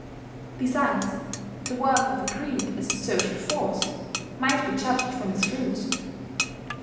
Besides, the worth of a creed as a social force might be judged from its fruits.